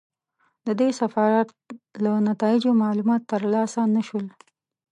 د دې سفارت له نتایجو معلومات ترلاسه نه شول.